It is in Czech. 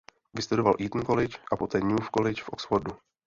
Vystudoval Eton College a poté New College v Oxfordu.